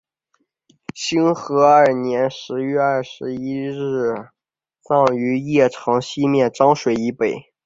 兴和二年十月廿一日葬于邺城西面漳水以北。